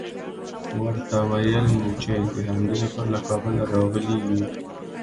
ورته ویل مو چې د همدې لپاره له کابله راغلي یوو.